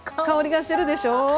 香りがするでしょう？